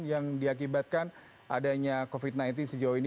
yang diakibatkan adanya covid sembilan belas sejauh ini